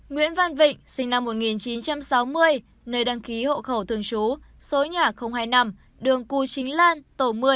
nguyễn văn vịnh sinh năm một nghìn chín trăm sáu mươi nơi đăng ký hộ khẩu thường trú số nhà hai mươi năm đường cù chính lan tổ một mươi